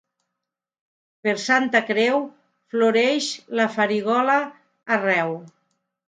Per Santa Creu floreix la farigola arreu.